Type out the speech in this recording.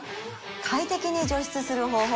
快適に除湿する方法